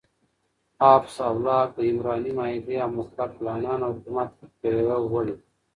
هابس او لاک د عمراني معاهدې او مطلق العنانه حکومت پیر ول.